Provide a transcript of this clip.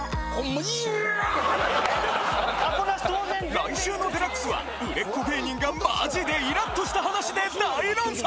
来週の『ＤＸ』は売れっ子芸人がマジでイラッとした話で大論争！